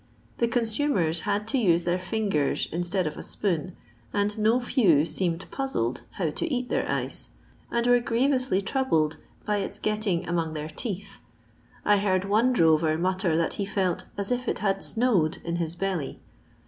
The consumers had to use their fingers instead of a spoon, and no few seemed pnnled how to eat their ice, and were grievously troubled by its getting among their teeth. I heard one drover mutter that he felt ''as if it had snowed in his belly